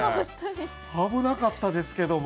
危なかったですけども。